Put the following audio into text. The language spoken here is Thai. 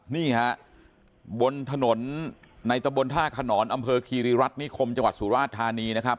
นี่ฮะบนถนนในตะบนท่าขนอนอำเภอคีรีรัฐนิคมจังหวัดสุราชธานีนะครับ